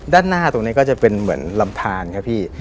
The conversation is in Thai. ด้านหน้าตรงนี้ก็จะเป็นเหมือนลำทานครับพี่